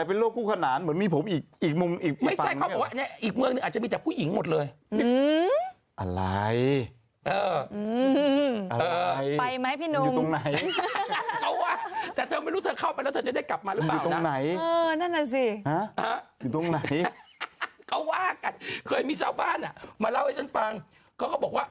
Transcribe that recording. อะไรเป็นโลกคู่ขนานเหมือนมีผมอีกมุมอีกฝั่งนี้หรือครับ